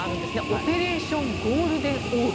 オペレーション・ゴールデン・オーブ。